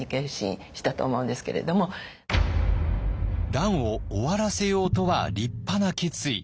「乱を終わらせよう」とは立派な決意。